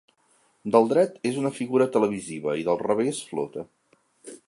Del dret és una figura televisiva i del revés flota.